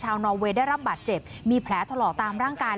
ชาวนอลเวย์ได้รับบาดเจ็บมีแผลทะเลาะตามร่างกาย